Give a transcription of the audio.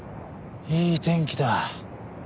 いい天気だ。